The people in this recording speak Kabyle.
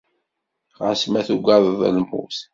Ɣas ma tugadeḍ lmut.